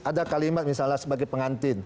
ada kalimat misalnya sebagai pengantin